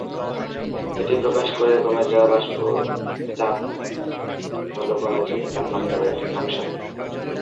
এটি প্রকাশ করে কমে যাওয়া বাষ্প চাপ হল কমে যাবে তাপমাত্রার একটি ফাংশন।